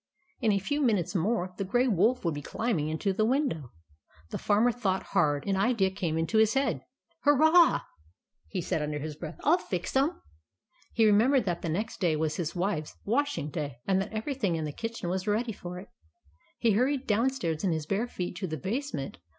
In a few minutes more the Grey Wolf would be climbing into the window. The Farmer thought hard. An idea came into his head. "Hurray!" said he, under his breath. "/ '11 fix 'em !" He remembered that the next day was his wife's washing day, and that everything in the kitchen was ready for it. He hurried downstairs in his bare feet to the base ment.